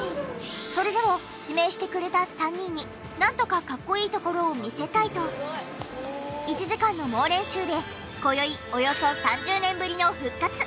それでも指名してくれた３人になんとかかっこいいところを見せたいと１時間の猛練習で今宵およそ３０年ぶりの復活！